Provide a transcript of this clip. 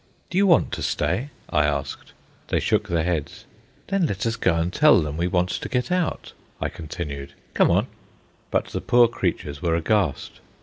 "Do you want to stay?" I asked. They shook their heads. "Then let us go and tell them we want to get out," I continued. "Come on." But the poor creatures were aghast.